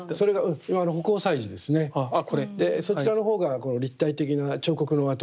そちらの方が立体的な彫刻の跡が分かる。